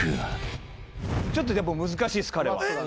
ちょっと難しいっす彼は。